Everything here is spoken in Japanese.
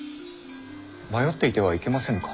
迷っていてはいけませぬか？